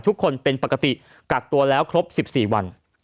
ทุกคนเป็นปกติกักตัวแล้วครบ๑๔วัน